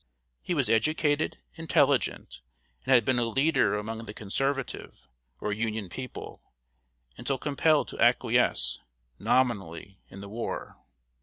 He was educated, intelligent, and had been a leader among the "Conservative" or Union people, until compelled to acquiesce, nominally, in the war.